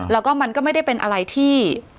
แล้วก็มันก็ไม่ได้เป็นอะไรที่